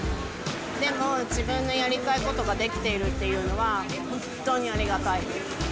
でも、自分のやりたいことができているっていうのは、本当にありがたい。